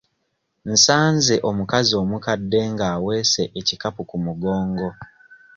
Nsanze omukazi omukadde nga aweese ekikapu ku mugongo.